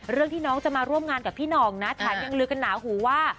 เรื่องที่น้องจะมาร่วมงานกับพี่หน่องนะแถมยังลือกันหนาหูว่า